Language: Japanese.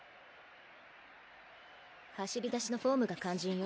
走り出しのフォームが肝心よ。